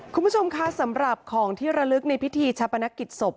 คุณผู้ชมคะสำหรับของที่ระลึกในพิธีชาปนกิจศพ